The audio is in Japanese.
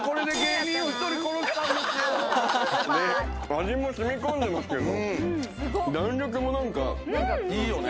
味も染み込んでますけれど、弾力もいいよね。